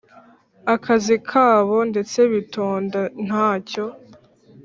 akazi kabo ndetse bitonda ntacyo